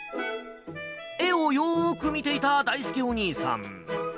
絵をよーく見ていただいすけお兄さん。